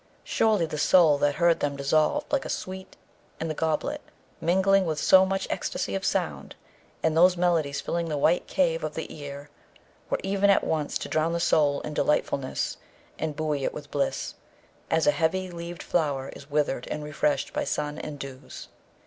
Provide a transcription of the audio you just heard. Surely, the soul that heard them dissolved like a sweet in the goblet, mingling with so much ecstasy of sound; and those melodies filling the white cave of the ear were even at once to drown the soul in delightfulness and buoy it with bliss, as a heavy leaved flower is withered and refreshed by sun and dews.